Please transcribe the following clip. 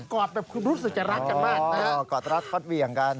อดแบบคุณรู้สึกจะรักกันมากนะฮะกอดรัดฟัดเหวี่ยงกัน